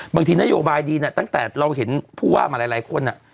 บางทีนโยบายดีเนี่ยตั้งแต่เราเห็นผู้ว่ามาหลายคน